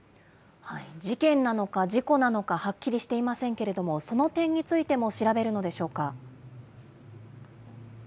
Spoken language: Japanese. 事件なのか、事故なのか、はっきりしていませんけれども、その点についても調べるのでしょうか？